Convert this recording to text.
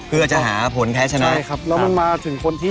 เพื่อจะหาผลแพ้ชนะใช่ครับแล้วมันมาถึงคนที่